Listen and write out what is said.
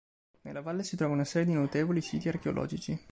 Nella valle si trova una serie di notevoli siti archeologici.